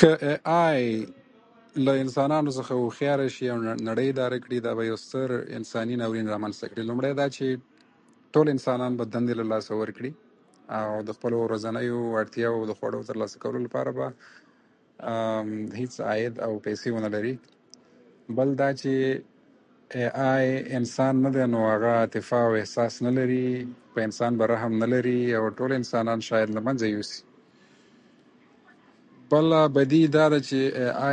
که اې آی له انسانانو څخه هوښياره شي او نړۍ اداره کړي دا به يو ستر انساني ناورين رامنځته کړي ، لومړی دا چې ټول انسانان به دندې له لاسه ورکړي او د خپلو ورځنيو اړتياوو او خوړو تر لاسه کولو لپاره به هېڅ عاید او پیسې ونه لري ، بل دا چې اې آی انسان نه دی نو هغه عاطفه او احساس نلري په انسان به رحم نلري او ټول انسانان شاید له منځه يوسي، بله بدي يې داده چې اې آی